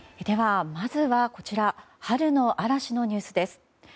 では、まずはこちら春の嵐のニュースです。